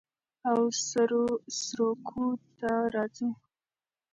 او سروکو ته راځو